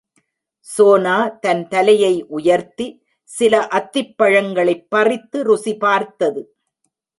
சோனா தன் தலையை உயர்த்தி சில அத்திப் பழங்களைப் பறித்து ருசி பார்த்தது.